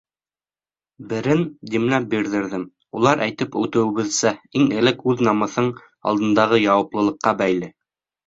Берен — димләп бирҙерҙем, Улар, әйтеп үтеүебеҙсә, иң элек үҙ намыҫың алдындағы яуаплылыҡҡа бәйле.